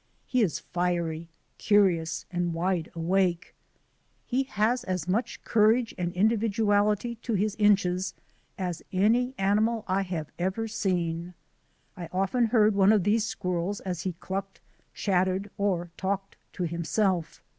He is fiery, curious, and wide awake. He has as much courage and individuality to his inches as any animal I have ever seen. I often heard one of these squirrels as he clucked, chattered, or talked to himself.